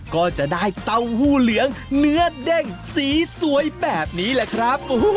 ก็จะได้เต้าหู้เหลืองเนื้อเด้งสีสวยแบบนี้แหละครับ